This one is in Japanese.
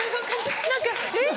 何か「えっ？」